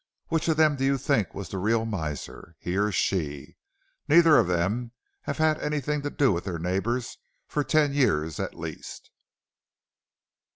Which of them do you think was the real miser, he or she? Neither of them have had anything to do with their neighbors for ten years at least.'